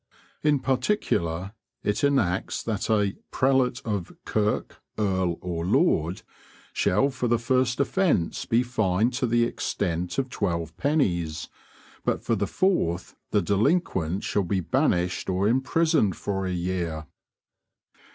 In particular, it enacts that "a prelate of kirk, earl or lord," shall for the first offence be fined to the extent of twelve pennies, but for the fourth the delinquent shall be banished or imprisoned for a year.